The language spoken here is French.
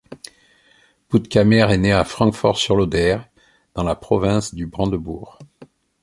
Puttkamer est né à Francfort-sur-l'Oder, dans la province du Brandebourg.